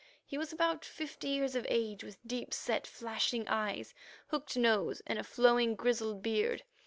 He was about fifty years of age, with deep set flashing eyes, hooked nose, and a flowing, grizzled beard.